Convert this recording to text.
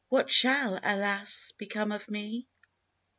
What shall, alas! become of me?